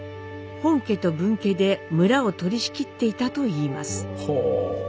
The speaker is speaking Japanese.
本家と分家で村を取り仕切っていたといいます。